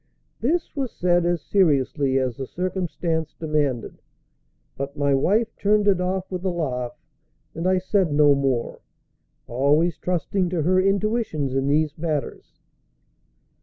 This was said as seriously as the circumstance demanded; but my wife turned it off with a laugh, and I said no more, always trusting to her intuitions in these matters.